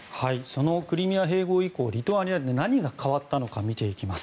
そのクリミア併合以降リトアニアで何が変わったのか見ていきます。